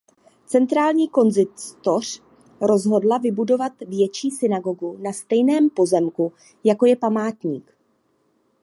Centrální konzistoř rozhodla vybudovat větší synagogu na stejném pozemku jako je památník.